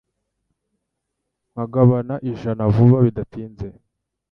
Nkagabana ijana vuba bidatinze